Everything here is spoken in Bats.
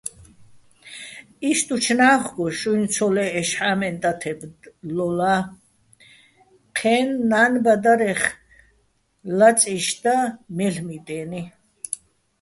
იშტუჩ ნა́ხგო შუჲნი̆ ცოლე́ჸეშ ჰ̦ა́მენ ტათებ ლოლა́ჲ, ჴე́ნო, ნა́ნბადარეხ, ლაწიში̆ და მელ'მი დე́ნი.